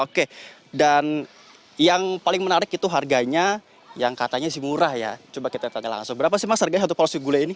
oke dan yang paling menarik itu harganya yang katanya sih murah ya coba kita tanya langsung berapa sih mas harganya satu porsi gulai ini